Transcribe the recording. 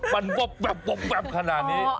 มันแบบขนาดนี้ตาเตอร์เสียหมด